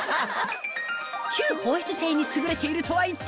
吸放湿性に優れているとは一体？